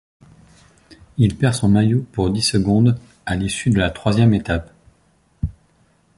Il perd son maillot pour dix secondes, à l'issue de la troisième étape.